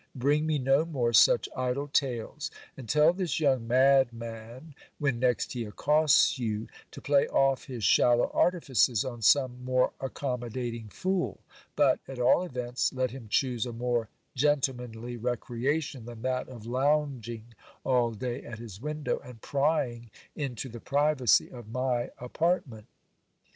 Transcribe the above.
Bring me no more such idle tales ; and tell this young madman, when next he accosts you, to play off his shallow artifices on some more accommodating fool; but, at all events, let him choose a more gentle manly recreation than that of lounging all day at his window, and prying into the privacy of my apartment.